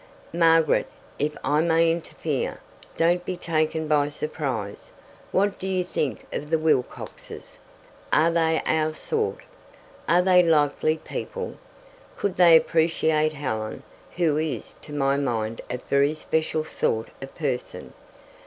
"Margaret, if I may interfere, don't be taken by surprise. What do you think of the Wilcoxes? Are they our sort? Are they likely people? Could they appreciate Helen, who is to my mind a very special sort of person?